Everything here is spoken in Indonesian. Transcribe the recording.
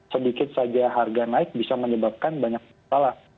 sedikit saja harga naik bisa menyebabkan banyak masalah